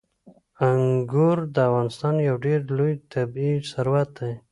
انګور د افغانستان یو ډېر لوی طبعي ثروت دی.